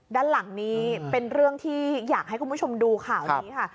ด้านหลังนี้เป็นเรื่องที่อยากให้คุณผู้ชมดูข่าวนี้ค่ะ